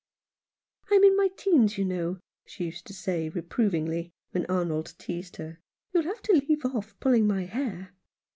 "I am in my teens, you know," she used to say reprovingly, when Arnold teased her. "You'll have to leave off pulling my hair."